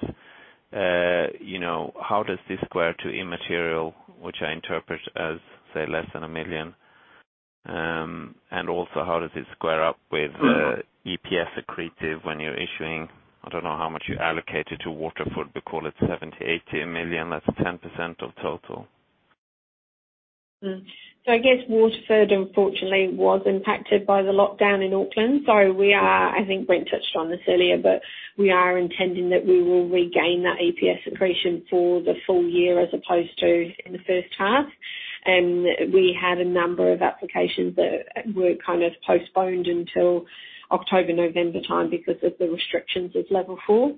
You know, how does this square to immaterial, which I interpret as, say, less than 1 million? Also, how does it square up with EPS accretive when you're issuing, I don't know how much you allocated to Waterford, but call it 70 million, 80 million. That's 10% of total. I guess Waterford unfortunately was impacted by the lockdown in Auckland. I think Brent touched on this earlier, but we are intending that we will regain that EPS accretion for the full year as opposed to in the first half. We had a number of applications that were kind of postponed until October, November time because of the restrictions of level four.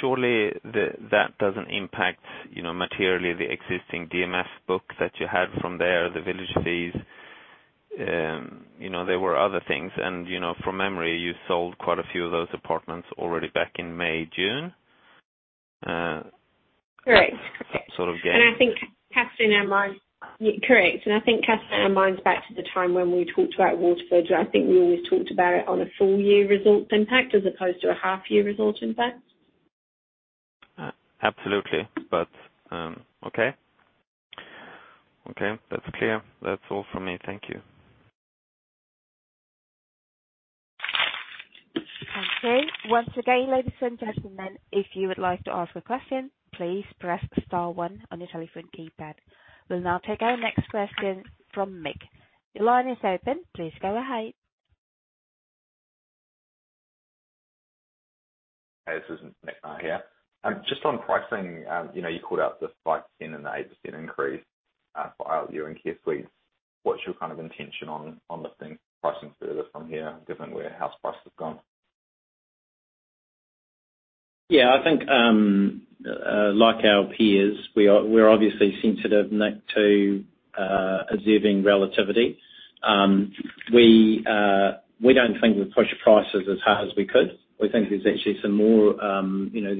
Surely that doesn't impact, you know, materially the existing DMF book that you had from there, the village fees. You know, there were other things and, you know, from memory, you sold quite a few of those apartments already back in May, June. Correct. Sort of gain. I think casting our minds back to the time when we talked about Waterford, I think we always talked about it on a full year results impact as opposed to a half year results impact. Absolutely. Okay. Okay, that's clear. That's all from me. Thank you. Okay. Once again, ladies and gentlemen, if you would like to ask a question, please press star one on your telephone keypad. We'll now take our next question from Mick Ma. Your line is open. Please go ahead. Hey, this is Mick Ma here. Just on pricing, you know, you called out the 5% and the 8% increase for ILU and Care Suites. What's your kind of intention on lifting pricing further from here given where house prices have gone? Yeah, I think, like our peers, we're obviously sensitive, Mick, to observing relativity. We don't think we've pushed prices as high as we could. We think there's actually some more, you know,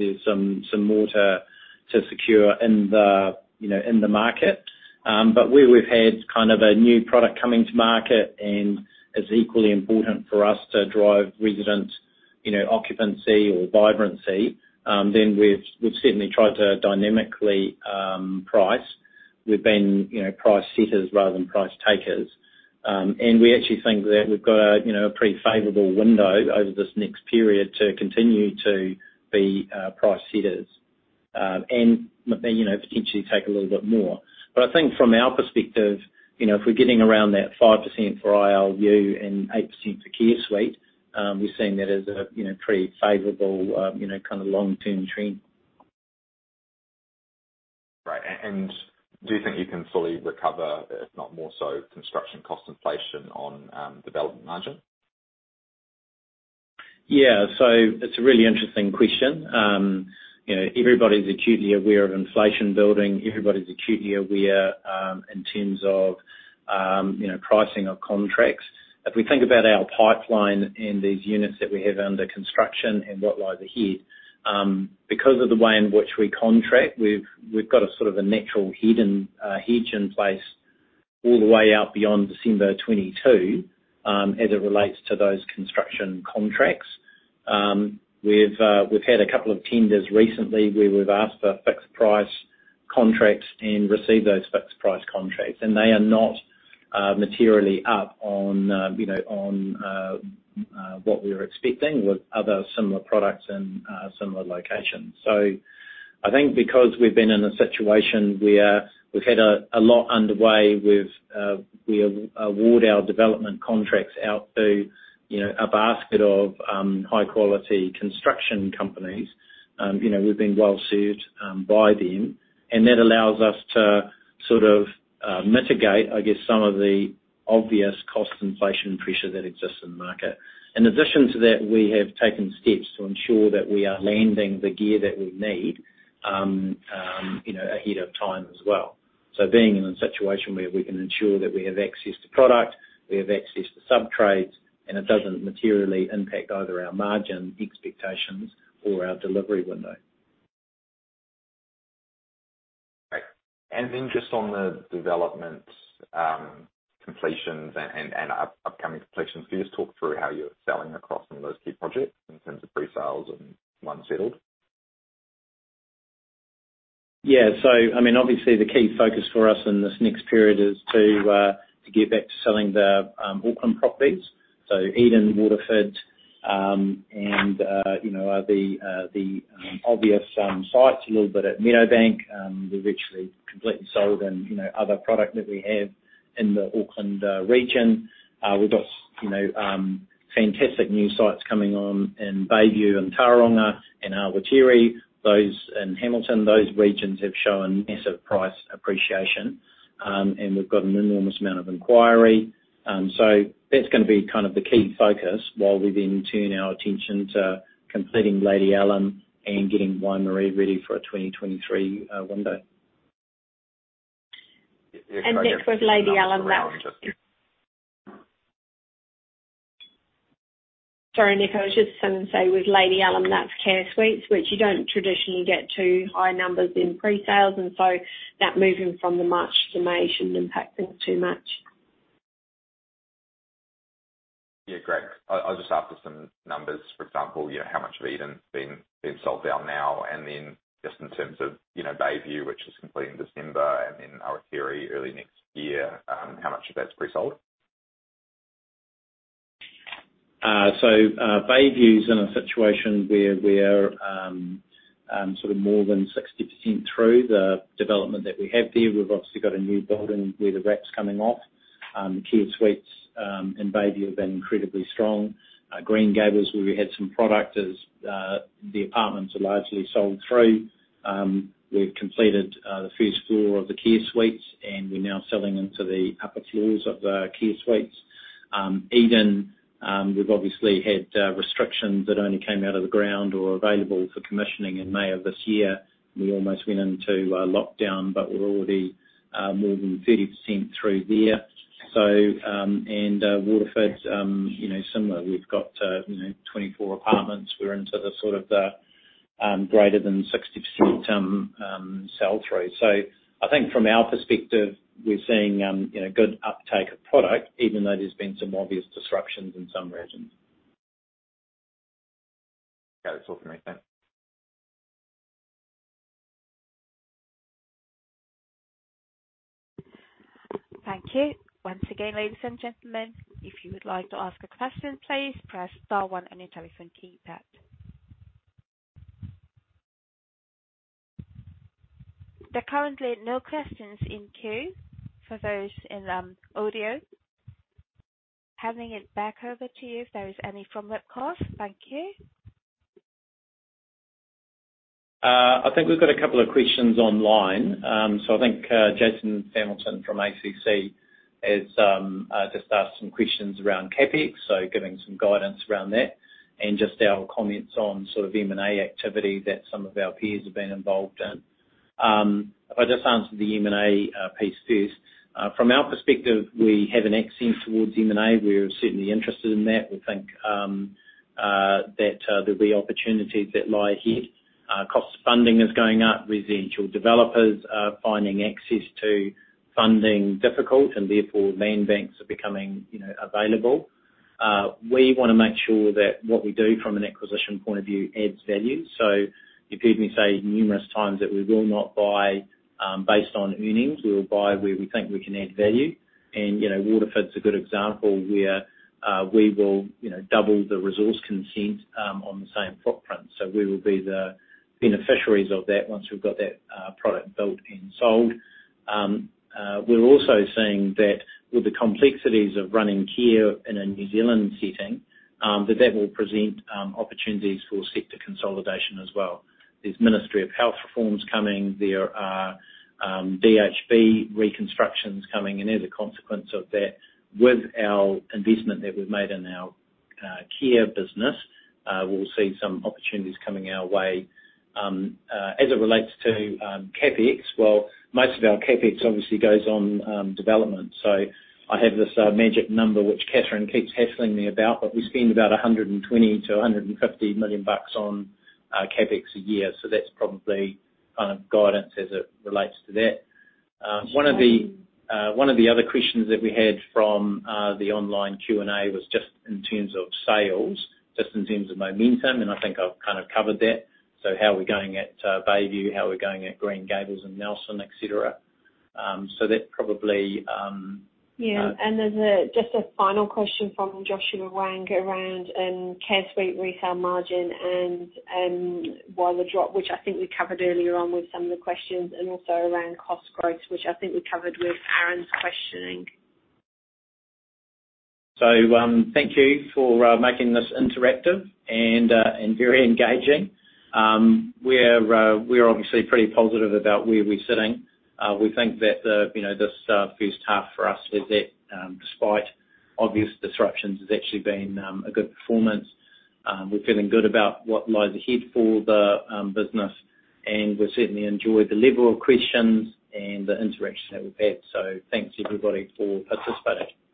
to secure in the market. But where we've had kind of a new product coming to market and it's equally important for us to drive resident, you know, occupancy or vibrancy, then we've certainly tried to dynamically price. We've been, you know, price setters rather than price takers. We actually think that we've got a, you know, a pretty favorable window over this next period to continue to be price setters. You know, potentially take a little bit more. I think from our perspective, you know, if we're getting around that 5% for ILU and 8% for Care Suite, we're seeing that as a, you know, pretty favorable, you know, kind of long-term trend. Right. Do you think you can fully recover, if not more so, construction cost inflation on development margin? Yeah. It's a really interesting question. You know, everybody's acutely aware of inflation building. Everybody's acutely aware in terms of you know, pricing of contracts. If we think about our pipeline and these units that we have under construction and what lies ahead, because of the way in which we contract, we've got a sort of a natural hidden hedge in place all the way out beyond December 2022, as it relates to those construction contracts. We've had a couple of tenders recently where we've asked for fixed price contracts and received those fixed price contracts, and they are not materially up on you know, on what we were expecting with other similar products in similar locations. I think because we've been in a situation where we've had a lot underway with we award our development contracts out to, you know, a basket of high-quality construction companies, you know, we've been well served by them, and that allows us to sort of mitigate, I guess, some of the obvious cost inflation pressure that exists in the market. In addition to that, we have taken steps to ensure that we are landing the gear that we need ahead of time as well. Being in a situation where we can ensure that we have access to product, we have access to subtrades, and it doesn't materially impact either our margin expectations or our delivery window. Great. Just on the development, completions and upcoming completions, can you just talk through how you're selling across some of those key projects in terms of pre-sales and ones settled? Yeah. I mean, obviously the key focus for us in this next period is to get back to selling the Auckland properties, so Eden, Waterford, and you know, the obvious sites a little bit at Meadowbank. We're virtually completely sold and you know, other product that we have in the Auckland region. We've got you know, fantastic new sites coming on in Bayview and Tauranga and Awatere and Hamilton. Those regions have shown massive price appreciation, and we've got an enormous amount of inquiry. That's gonna be kind of the key focus while we then turn our attention to completing Lady Ellen and getting Waimarie ready for a 2023 window. Yeah. Mick, with Lady Ellen, that's Just- Sorry, Mick, I was just gonna say with Lady Ellen, that's Care Suites, which you don't traditionally get too high numbers in pre-sales, and so that moving from the March formation impacting too much. Yeah. Brent, I was just after some numbers, for example, you know, how much of Eden's been sold down now and then just in terms of, you know, Bayview, which is completing December and then Awatere early next year, how much of that's pre-sold? Bayview's in a situation where we're sort of more than 60% through the development that we have there. We've obviously got a new building where the wrap's coming off. The Care Suites in Bayview have been incredibly strong. Green Gables, where we had some product as the apartments are largely sold through. We've completed the first floor of the Care Suites, and we're now selling into the upper floors of the Care Suites. Eden, we've obviously had restrictions that only came out of the ground or available for commissioning in May of this year. We almost went into lockdown, but we're already more than 30% through there. Waterford's you know similar. We've got you know 24 apartments. We're into the sort of greater than 60% sell through. I think from our perspective, we're seeing you know good uptake of product even though there's been some obvious disruptions in some regions. Okay. That's all from me. Thanks. Thank you. Once again, ladies and gentlemen, if you would like to ask a question, please press star one on your telephone keypad. There are currently no questions in queue for those in audio. Handing it back over to you if there is any from webcast. Thank you. I think we've got a couple of questions online. I think Jason Hamilton from ACC has just asked some questions around CapEx, giving some guidance around that and just our comments on sort of M&A activity that some of our peers have been involved in. If I just answer the M&A piece first. From our perspective, we have an appetite towards M&A. We're certainly interested in that. We think that there'll be opportunities that lie ahead. Cost of funding is going up. Residential developers are finding access to funding difficult, and therefore land banks are becoming, you know, available. We wanna make sure that what we do from an acquisition point of view adds value. You've heard me say numerous times that we will not buy based on earnings. We will buy where we think we can add value. You know, Waterford's a good example where we will, you know, double the resource consent on the same footprint. We will be the beneficiaries of that once we've got that product built and sold. We're also seeing that with the complexities of running care in a New Zealand setting that will present opportunities for sector consolidation as well. There's Ministry of Health reforms coming. There are DHB reconstructions coming. As a consequence of that, with our investment that we've made in our care business, we'll see some opportunities coming our way. As it relates to CapEx, well, most of our CapEx obviously goes on development. I have this magic number which Kathryn keeps hassling me about, but we spend about 120 million-150 million bucks on CapEx a year, so that's probably kind of guidance as it relates to that. One of the other questions that we had from the online Q&A was just in terms of sales, just in terms of momentum, and I think I've kind of covered that. How we're going at Bayview, how we're going at Green Gables and Nelson, et cetera. That probably Yeah. There's just a final question from Joshua Wong around care suite resale margin and why the drop, which I think we covered earlier on with some of the questions, and also around cost growth, which I think we covered with Aaron's questioning. Thank you for making this interactive and very engaging. We're obviously pretty positive about where we're sitting. We think that, you know, this first half for us, despite obvious disruptions, has actually been a good performance. We're feeling good about what lies ahead for the business, and we certainly enjoy the level of questions and the interaction that we've had. Thanks, everybody, for participating.